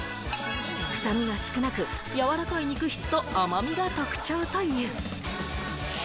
臭みが少なく、やわらかい肉質と甘みが特徴という。